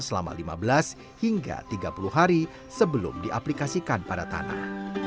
selama lima belas hingga tiga puluh hari sebelum diaplikasikan pada tanah